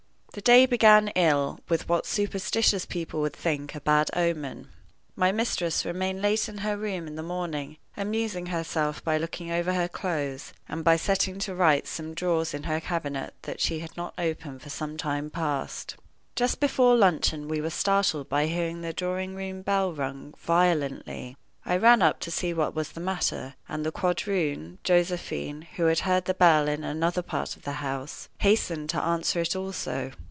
The day began ill, with what superstitious people would think a bad omen. My mistress remained late in her room in the morning, amusing herself by looking over her clothes, and by setting to rights some drawers in her cabinet which she had not opened for some time past. Just before luncheon we were startled by hearing the drawing room bell rung violently. I ran up to see what was the matter, and the quadroon, Josephine, who had heard the bell in another part of the house, hastened to answer it also.